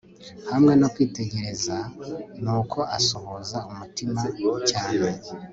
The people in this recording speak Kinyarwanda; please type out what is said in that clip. hamwe no kwitegereza; nuko asuhuza umutima cyane